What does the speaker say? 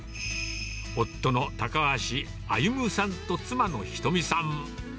夫の高橋歩さんと妻のひとみさん。